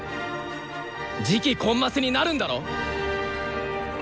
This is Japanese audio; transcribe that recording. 次期コンマスになるんだろ！？